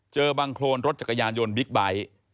บังโครนรถจักรยานยนต์บิ๊กไบท์